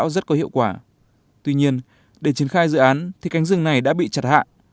để chiến khai dự án thì cánh rừng này đã bị chặt hạ